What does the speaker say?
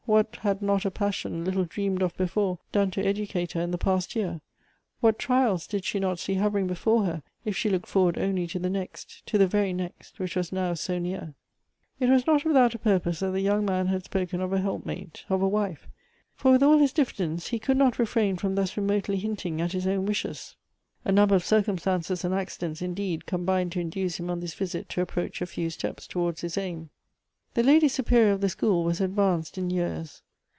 What had not a passion, little dreamed of before, done to educate her in the past year ! What trials did she not see hov ering before her if she looked forward only to the next — to the very next, which was now so near ! It was not without a purpose that the young man had spoken of a helpmate — of a wife ; for with all his diffi dence, he could not refrain from thus remotely hinting at his own wishes. A number of circumstances and acci dents, indeed, combined to induce him on this visit to approach a few steps towards his aim. The Lady Superior of the school was advanced in years.